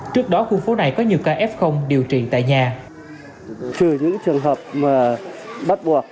trước đó khu phố này có nhiều ca f điều trị tại nhà